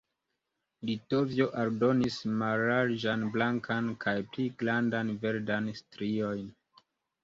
Litovio aldonis mallarĝan blankan kaj pli grandan verdan striojn.